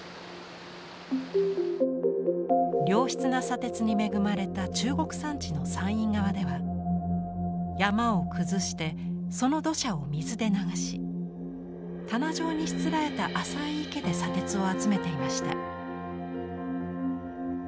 良質な砂鉄に恵まれた中国山地の山陰側では山を崩してその土砂を水で流し棚状にしつらえた浅い池で砂鉄を集めていました。